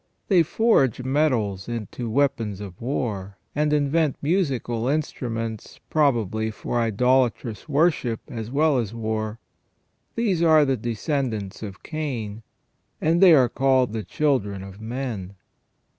They forge metals into weapons of war, and invent musical instru ments, probably for idolatrous worship as well as war. These are the descendants of Cain, and they are called the children of men.